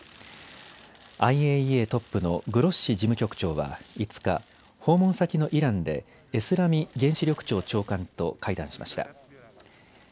ＩＡＥＡトップのグロッシ事務局長は５日訪問先のイランでエスラミ原子力庁長官と会談しました。